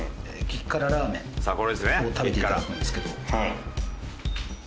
さあこれですね激辛。